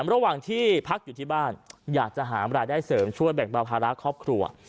ระหว่างที่พักอยู่ที่บ้านอยากจะหารายได้เสริมช่วยแบ่งเบาภาระครอบครัว